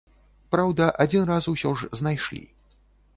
Праўда, адзін раз усё ж знайшлі.